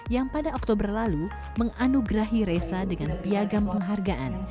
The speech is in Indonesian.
yang pada oktober lalu menganugerahi resa dengan piagam penghargaan